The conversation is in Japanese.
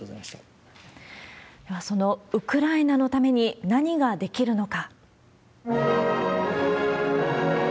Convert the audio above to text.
では、そのウクライナのために何ができるのか。